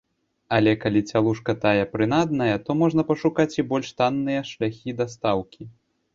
Але калі цялушка тая прынадная, то можна пашукаць і больш танныя шляхі дастаўкі.